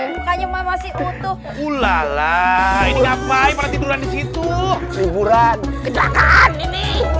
makanya masih utuh ulala ngapain tiduran di situ huburan kecelakaan